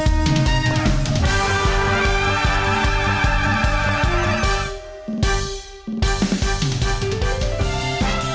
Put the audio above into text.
โปรดติดตามตอนต่อไป